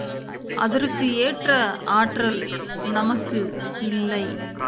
அதற்கு ஏற்ற ஆற்றல் நமக்கு இல்லை.